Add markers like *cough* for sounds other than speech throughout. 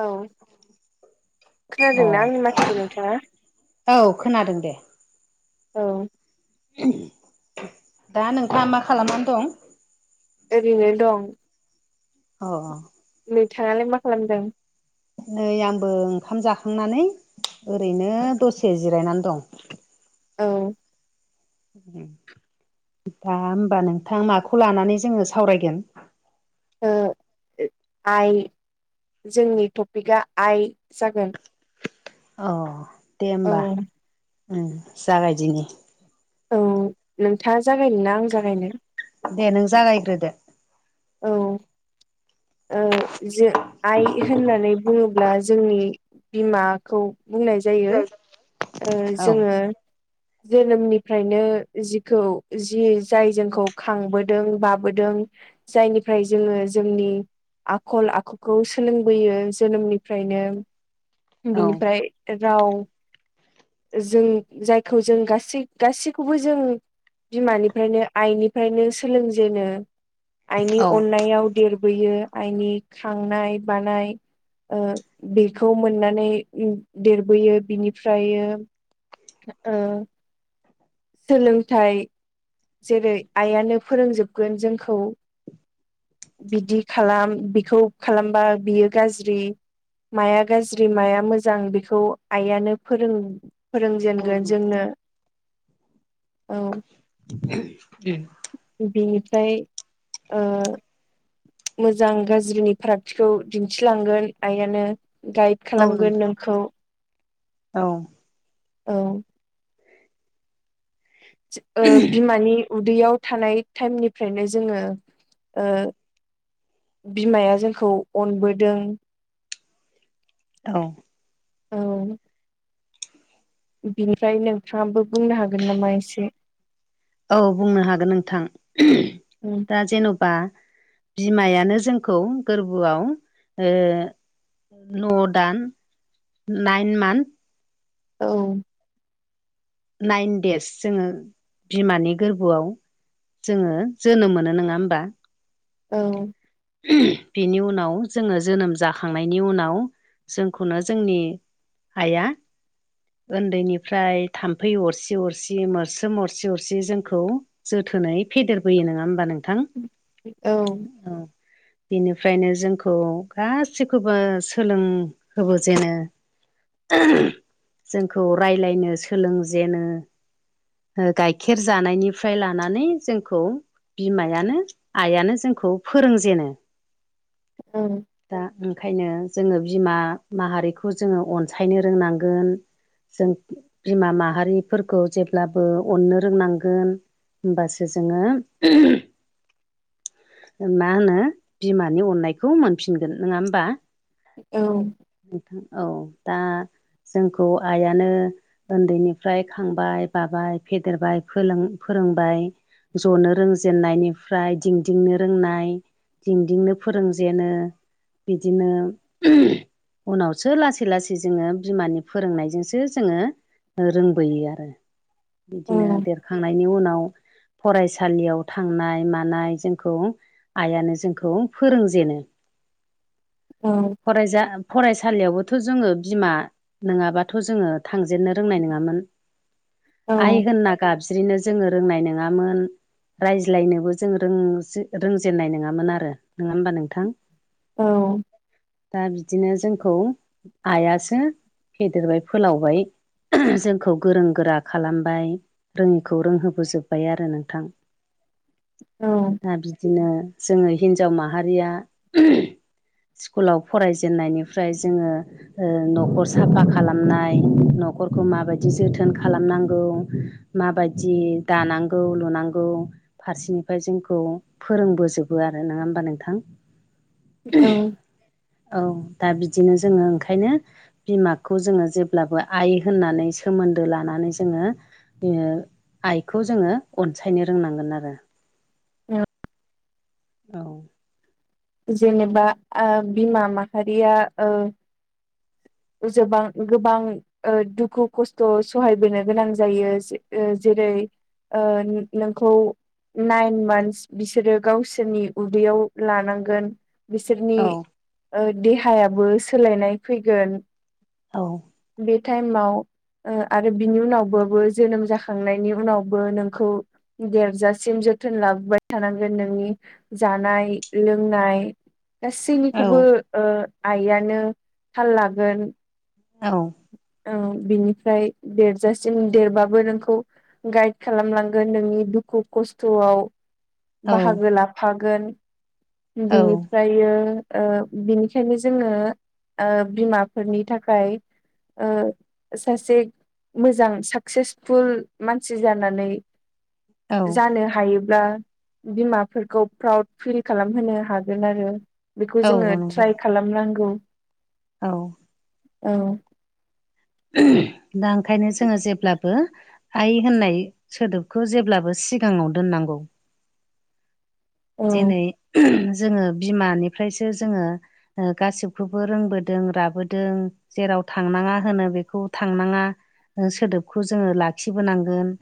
औ। अ खोनादोंना आंनि माथोखौ नोंथाङा? औ खोनादों दे औ। दा नोंथाङा मा खालामनानै दं? ओरैनो दं। अ अ। नै थाङालाय मा खालामदों? नै आंबो ओंखाम जाखांनानै ओरैनो दसे जिरायनानै दं। औ दा होमबा नोंथां माखौ लानानै जोङो सावरायगोन? ओ आइ जोंनि टपिकआ आइ जागोन। अ दे औ होमबा जागायदिनि। औ नोंथा जागायनो ना आं जागायनो? दे नों जागायग्रोदो। औ ओं जों आइ होननानै बुङोब्ला जोंनि बिमाखौ बुंनाय जायो ओ औ जोङो जोनोमनिफ्रायनो जिखौ जि जाय जोंखौ खांबोदों बाबोदों जायनिफ्राय जोङो जोंनि आखल आखुखौ सोलोंबोयो जोनोमनिफ्रायनो औ बिनिफ्राय राव जों जायखौ जों गासै गासैखौबो जों बिमानिफ्रायनो आइनिफ्रायनो सोलोंजेनो। आइनि औ अननायाव देरबोयो आइनि खांनाय बानाय। बेखौ मोननानै देरबोयो बिनिफ्राइयो ओ सोलोंथाइ जेरै आइयानो फोरोंजोबगोन जोंखौ बिदि खालाम बेखौ खालामबा बियो गाज्रि। माया गाज्रि माया मोजां बेखौ आइयानो फोरों औ फोरोंजेनगोन नोंथां जोंनो औ। उम बेनिफ्राय ओ मोजां गाज्रिनि फारागथिखौ दिन्थिलांगोन आइयानो गाइड औ खालामगोन नोंथां नोंखौ औ औ ओ बिमानि उदैयाव थानाय टाइमनिफ्रायनो जोङो ओ बिमाया जोंखौ अनबोदों। औ औ बिनिफ्राय नोंथाङाबो बुंनो हागोन नामा एसे? औ बुंनो हागोन नोंथां दा जेन'बा बिमायानो जोंखौ गोरबोआव ओ न' दान नाइन मान्थ औ नाइन देस जोङो बिमानि गोरबोआव जोङो जोनोम मोनो नङा होमबा? औ बेनि उनाव जोङो जोनोम जाखांनायनि उनाव जोंखौनो जोंनि आइया ओन्दैनिफ्राय थाम्फै अरसि अरसि मरसोम मरसि अरसि जोंखौ जोथोनै फेदेरबोयो नङा होमबा नोंथां? औ औ बिनिफ्रायनो जोंखौ गासिखौबो सोलोंहोबोजेनो। जोंखौ रायलायनो सोलोंजेनो। गाइखेर जानायनिफ्राय लानानै जोंखौ बिमायानो आइआनो जोंखौ फोरोंजेनो औ दा ओंखायनो जोङो बिमा माहारिखौ जोङो अनसायनो रोंनांगोन। जों बिमा माहारिफोरखौ जेब्लाबो अननो रोंनांगोन। होमबासो जोङो मा होनो बिमानि अननायखौ मोनफिनगोन नङा होमबा? औ नोंथां औ दा जोंखौ आइआनो उन्दैनिफ्राय खांबाय बाबाय फेदेरबाय फोरोंबाय जनो रोंजेननायनिफ्राय दिंदिंनो रोंनाय दिंदिंनो फोरोंजेनो बिदिनो उनावसो लासै लासै जोङो बिमानि फोरोंनायजोंसो जोङो रोंबोयो आरो औ बिदिनो देरखांनायनि उनाव फरायसालियाव थांनाय मानाय जोंखौ आइआनो जोंखौ फोरोंजेनो। औ फ फरायसालियावबोथ' जोङो बिमा नङाबाथ' जोङो थांजेननो रोंनाय नङामोन औ आइहोनना गाबज्रिनो जोङो रोंनाय नङामोन। रायज्लायनोबो जों रों रोंजेननाय नङामोन आरो नङा होमबा नोंथां? औ दा बिदिनो जोंखौ आइआसो फेदेरबाय फोलावबाय। जोंखौ गोरों गोरा खालामबाय रोङिखौ रोंहोबोजोब्बाय आरो नोंथां। *inaudible* औ दा बिदिनो जोङो हिनजाव माहारिया स्कुलाव फराय हाबजेननायनिफ्राय जोङो ओ न'खर साफा खालामनाय न'खरखौ माबायदि जोथोन खालामनांगौ माबायदि दानांगौ लुनांगौ फारसेनिफ्राय जोंखौ फोरोंबोजोबो आरो नङा होमबा नोंथां? औ औ दा बिदिनो जोङो ओंखायनो बिमाखौ जोङो जेब्लाबो आइ होननानै सोमोन्दो लानानै जोङो बि आइखौ जोङो अनसायनो रोंनांगोन आरो। औ जेनेबा ओ बिमा माहारिया ओ जबां गोबां ओ दुखु खस्थ' सहायबोनो गोनां जायो जेरै ओ नोंखौ नाइन मानस बिसोरो गावसोरनि उदैयाव लानांगौ गोन बिसोरनि औ देहायाबो सोलायनाय फैगोन औ बे टाइमाव ओ आरो बिनि उनावबोबो जोनोम जाखांनायनि उनावबो नोंखौ देरजासिम जोथोन लाबोबाय थानांगोन नोंनि जानाय लोंनाय औ गाासनिखौबो ओ आइआनो थाल लागोन औ औ बिनिफ्राय देरजासिम देरबाबो नोंखौ गाइद खालामलांगोन नोंनि दुखु खस्थ'आव औ बाहागो लाफागोन औ बिनिफ्राय बियो ओ बिनिखायनो जोङो ओ बिमाफोरनि थाखाय ओ सासे मोजां साकसेसफुल मानसि जानानै औ जानो हायो ब्ला बिमाफोरखौ प्राउड फिल खालामहोनो हागोन आरो बेखौ जोङो औ नंगौ ट्राइ खालामनांगौ। औ औ दा ओंखायनो जोङो जेब्लाबो आइ होननाय सोदोबखौ जेब्लाबो सिगाङाव दोननांगौ। औ दिनै जोङो बिमानिफ्रायसो जोङो गासिबखौबो रोंबोदों राबोदों। जेराव थांनाङा होनो बेखौ थांनाङा। ओ सोदोबखौ जोङो लाखिबोनांगोन।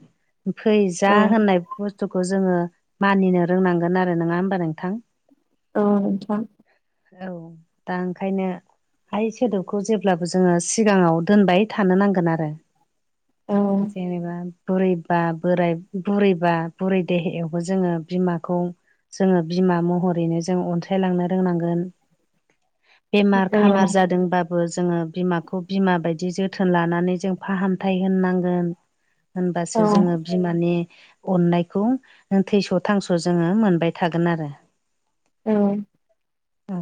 फै जा औ होननाय बुस्थुखौ जोङो मानिनो रोंनांगोन आरो नङा हबा नोंथां। औ नोंथां औ दा ओंखायनो आइ सोदोबखौ जेब्लाबो जोङो सिगाङाव दोनबाय थानो नांगोन आरो। औ जेनेबा बुरैबा बोराय बुरैबा बुरै देहायावबो जोङो बिमाखौ जोङो बिमा महरैनो जों अनसायलांनो रोंनांगोन बेमार औ खामार जादोंबा बो जोङो बिमाखौ बिमा बायदि जोथोन लानानै जों फाहामथाय होननांगोन। औ होनबासो जोङो बिमानि अननायखौ थैस' थांस' जोङो मोनबाय थागोन आरो औ औ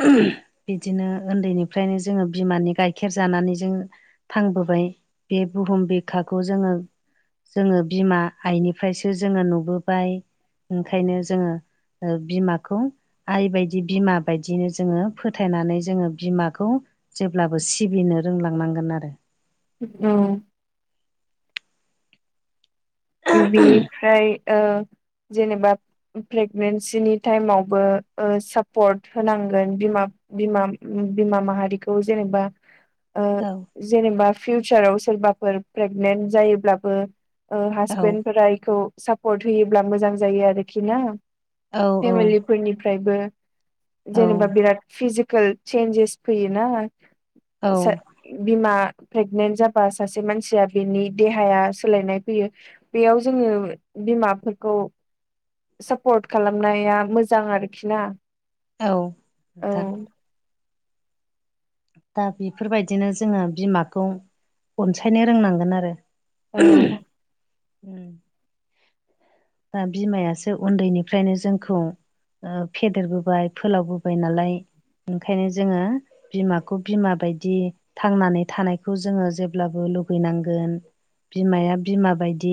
बिदिनो उन्दैनिफ्रायनो जोङो बिमानि गाइखेर जानानै जों थांबोबाय बे बुहुम बिखाखौ जोङो जोङो बिमा आइनिफ्रायसो जोङो नुबोबाय ओंखायनो जोङो ओ बिमाखौ आइ बायदि बिमा बायदिनो जोङो फोथायनानै जोङो बिमाखौ जेब्लाबो सिबिनो रोंलांनांगोन आरो उ बिनिफ्राय ओ जेनेबा प्रेगनेन्सिनि टाइमावबो ओ सापर्ट होनांगोन बिमा बिमा बिमा माहारिखौ जेनेबा ओ औ जेनेबा फिउचाराव सोरबाफोर प्रेगनेन्ट जायोब्लाबो ओ औ हासपेनफोरा बेखौ होयो मोजां जायो आरोखि ना औ फेमे फोरनिफ्रायबो औ जेनेबा बिराद फिजिकेल चन्जेस फैयोना औ *unintelligible* बिमा प्रेगनेन्ट जाबा सासे मानसिया बिनि देहाया सोलायनाय फैयो। बेयाव जोङो बिमाफोरखौ सापर्ट खालामनाया मोजां आरोखि ना औ औ नोंथां दा बेफोरबायदिनो जोङो बिमाखौ अनसायनो रोंनांगोन आरो औ उम दा बिमायासो उन्दैनिफ्रायनो जोंखौ ओ फेदेरबोबाय फोलावबोबाय नालाय ओंखायनो जोङो बिमाखौ बिमा बायदि थांनानै थानायखौ जोङो जेब्लाबो लुगैनांगोन बिमाया बिमा बायदि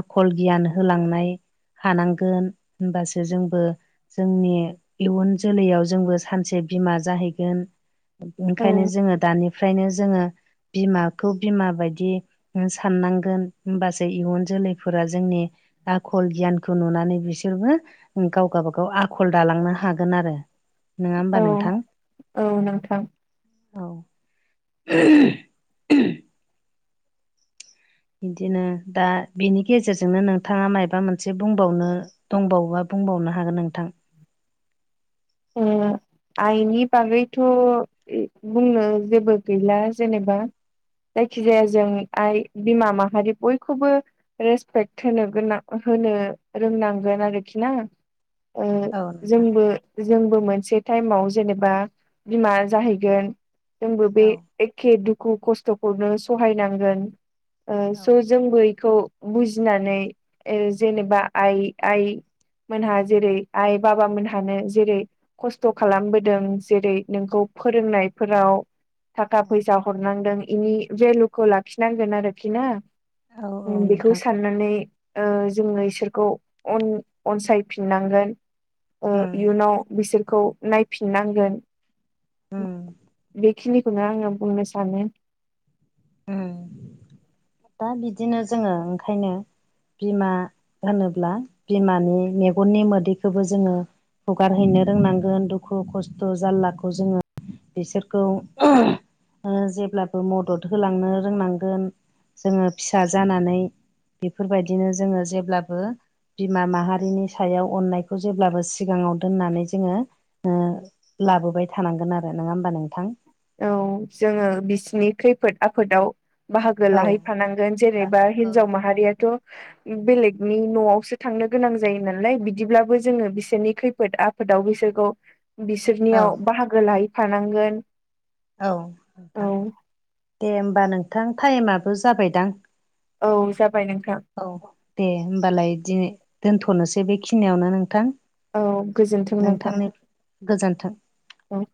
आखल गियान होलांनाय हानांगोन होनबासो जोंबो जोंनि इयुन जोलैयाव जोंबो सानसे बिमा जाहैगोन औ ओंखायनो जोङो दानिफ्रायनो जोङो बिमाखौ बिमा बायदि साननांगोन होमबासो इयुन जोलैफोरा जोंनि आखल गियानखौ नुनानै बिसोरबो गाव गावाबागाव आखल दालांनो हागोन आरो। नङा होमबा औ नोंथां औ नोंथां औ *inaudible* बिदिनो दा बिनि गेजेरजोंनो नोंथाङा माबा मोनसे बुंबावनो दंबावोबा बुंबावनो हागोन नोंथां *unintelligible* आइनि बागैथ' बुंनो जेबो गैला जेनेबा जायखिजाया जों आइ बिमा माहारि बयखौबो रेसपेक्ट होनो गोनां होनो रोंनांगोन आरोखि ना ओ औ नोंथां जोंबो जोंबो मोनसे टाइमाव जेनेबा बिमा जाहैगोन जोंबो बे औ एखे दुखु खस्थ'खौनो सहायनांगोन ओ औ स' जोंबो बेखौ बुजिनानै जेनेबा आइ आइ मोनहा जेरै आइ बाबा मोनहानो जेरै खस्थ' खालामबोदों जेरै नोंखौ फोरोंनायफोराव थाखा फैसा हरनांदों बेनि भेलुखौ लाखिनांगोन आरोखि ना। औ औ बेखौ नोंथां सान नानै जोङो इसोरखौ अनसायफिननांगोन। ओ उम इयुनाव बिसोरखौ नायफिननांगोन। उम बेखिनिखौनो आङो बुंनो सानो। दा बिदिनो जोङो ओंखायनो बिमा होनोब्ला बिमानि मेगननि मोदैखौबो जोङो हुगारहैनो रोंनांगोन दुखु खस्थ' जारलाखौ जोङो बिसोरखौ जेब्लाबो मदद होलांनो रोंनांगोन जोङो फिसा जानानै बेफोरबायदिनो जोङो जेब्लाबो बिमा माहारिनि सायाव अननायखौ जेब्लाबो सिगाङाव दोननानै जोङो लाबोबाय थानांगोन आरो नङा होमबा नोंथां औ जोङो बिसिनि खैफोद आफोदाव बाहागो औ लाहैफानांगोन जेनेबा औ हिनजाव माहारियाथ' बेलेगनि न'आवसो थांनो गोनां जायो नालाय बिदिब्लाबो जोङो बिसोरनि खैफोद आफोद फोदाव बिसोरखौ औ बिसोरनियाव बाहागो लाहैफानांगोन औ औ नोंथां दे होमबा नोंथां टाइमाबो जाबायदां औ जाबाय नोंथां औ दे होमबालाय दिनो दोन्थ'नोसै बेखिनियावनो नोंथां औ गोजोन्थों नोंथां नोंथांनि गोजोन्थों औ